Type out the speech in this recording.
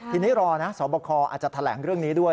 ทีนี้รอนะสอบคออาจจะแถลงเรื่องนี้ด้วย